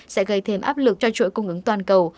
sẽ gây thêm áp lực cho chuỗi cung ứng toàn cầu